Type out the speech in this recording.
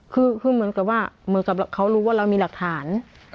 คือเหมือนกับว่าเขารู้ว่าเรามีหลักฐาน